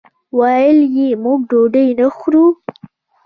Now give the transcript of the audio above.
ویل یې موږ ډوډۍ نه خورو.